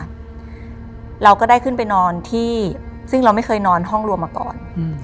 เราก็ได้ขึ้นไปนอนที่ซึ่งเราไม่เคยนอนห้องรวมมาก่อน